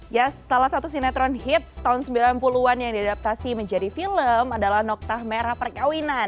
ya salah satu sinetron hits tahun sembilan puluh an yang diadaptasi menjadi film adalah noktah merah perkawinan